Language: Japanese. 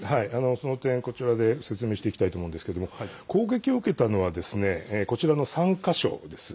その点、こちらで説明していきたいと思うんですけれども攻撃を受けたのはこちらの３か所です。